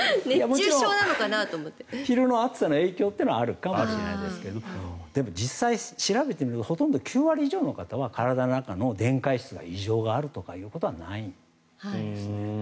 もちろん昼の暑さの影響というのはあるかもしれませんがでも実際、調べてみると９割以上の方は体の中の電解質の異常があるということはないんですね。